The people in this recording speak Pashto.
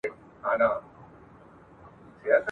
د باز له ځالې باز ولاړېږي ..